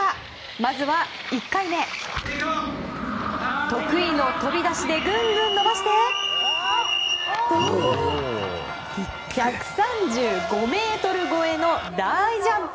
まずは１回目得意の飛び出しでぐんぐん伸ばして１３５ｍ超えの大ジャンプ！